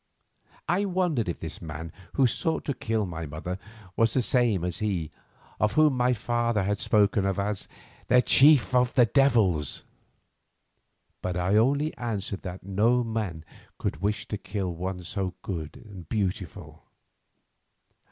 I wondered if this man who sought to kill my mother was the same as he of whom my father had spoken as "the chief of the devils," but I only answered that no man could wish to kill one so good and beautiful.